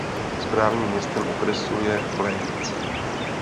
Správním městem okresu je Plains.